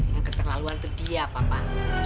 yang keterlaluan itu dia papa